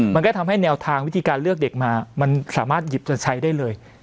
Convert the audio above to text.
มันก็ทำให้แนวทางวิธีการเลือกเด็กมามันสามารถหยิบจะใช้ได้เลย